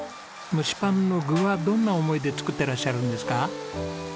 蒸しパンの具はどんな思いで作ってらっしゃるんですか？